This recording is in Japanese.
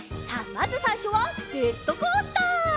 まずさいしょはジェットコースター。